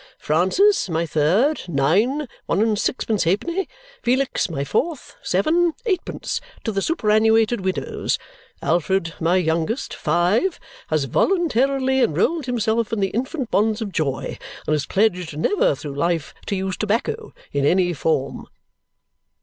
Francis, my third (nine), one and sixpence halfpenny; Felix, my fourth (seven), eightpence to the Superannuated Widows; Alfred, my youngest (five), has voluntarily enrolled himself in the Infant Bonds of Joy, and is pledged never, through life, to use tobacco in any form."